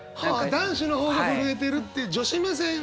男子の方が震えてるって女子目線。